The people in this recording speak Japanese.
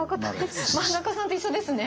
漫画家さんと一緒ですね。